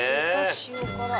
塩辛。